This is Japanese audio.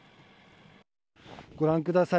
ご覧ください。